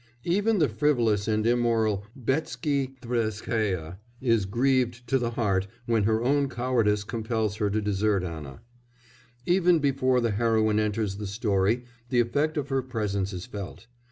Even the frivolous and immoral Betsky Tverskáia is grieved to the heart when her own cowardice compels her to desert Anna. Even before the heroine enters the story the effect of her presence is felt.